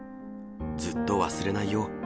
ずっと忘れないよ。